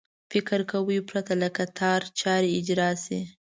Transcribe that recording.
فکر کوي پرته له کتار چارې اجرا شي.